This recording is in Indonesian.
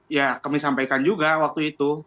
ya kami sampaikan juga waktu itu